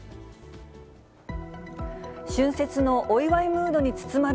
春節のお祝いムードに包まれ